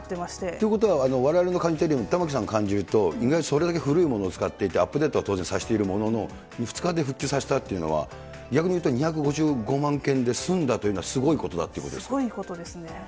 ということは、われわれの感じてる、玉城さん感じると、意外とそれだけ古いものを使っていて、アップデートは当然させているものの、２日で復旧させたというのは、逆に言うと、２５５万件で済んだというのは、すごいことだっていすごいことですね。